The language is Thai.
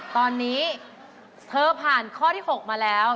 ตอนนี้เธอผ่านข้อที่๖มาแล้ว